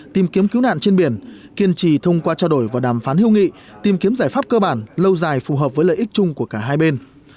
tìm kiếm cứu nạn trên biển kiên trì thông qua trao đổi và đàm phán hưu nghị tìm kiếm giải pháp cơ bản lâu dài phù hợp với lợi ích chung của cả hai bên